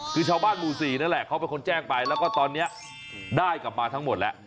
คือชาวบ้านหมู่๔นั่นแหละเขาเป็นคนแจ้งไปแล้วก็ตอนนี้ได้กลับมาทั้งหมดแล้ว